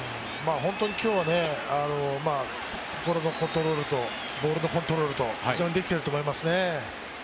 本当に今日は心のコントロールとボールのコントロールと非常にできていると思いますね。